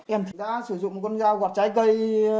em thị ra sử dụng con dao gọt trái cây